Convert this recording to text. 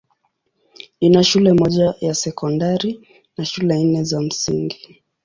Ina shule moja ya sekondari na shule nne za msingi.